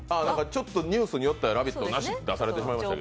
ちょっとニュースによっては、「ラヴィット！」なしと出されてしまいました。